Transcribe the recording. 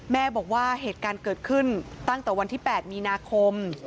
แม่บอกว่าเหตุการณ์เกิดขึ้นตั้งแต่วันที่๘มีนาคม